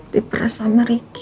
diperas sama ricky